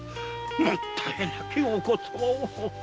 もったいなきお言葉を。